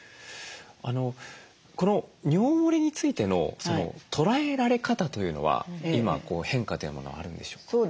この尿もれについての捉えられ方というのは今変化というものはあるんでしょうか？